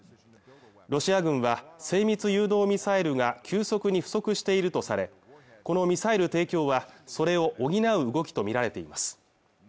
ロシア軍は精密誘導ミサイルが急速に不足しているとされこのミサイル提供はそれを補う動きと見られています